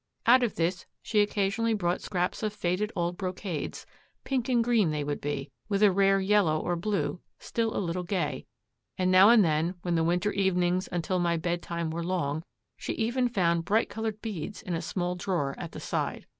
Out of this she occasionally brought scraps of faded old brocades, pink and green they would be, with a rare yellow, or a blue still a little gay; and now and then, when the winter evenings until my bedtime were long, she even found bright colored beads in a small drawer at the side.